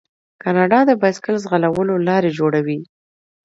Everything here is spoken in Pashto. کاناډا د بایسکل ځغلولو لارې جوړوي.